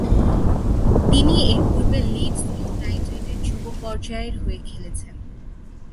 তিনি এর পূর্বে লিডস ইউনাইটেডের যুব পর্যায়ের হয়ে খেলেছেন।